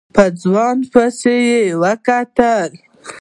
په ځوان پسې يې وکتل.